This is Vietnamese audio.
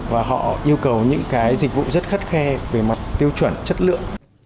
và họ yêu cầu những cái dịch vụ rất khắt khe về mặt tiêu chuẩn chất lượng